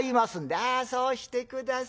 「ああそうして下さい。